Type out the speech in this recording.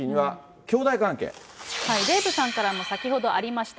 デーブさんからも先ほどありました。